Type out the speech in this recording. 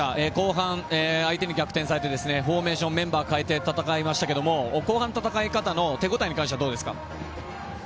後半、相手に逆転されてフォーメーションメンバー代えて戦いましたが、後半の戦い方の手応えはどうでしたか？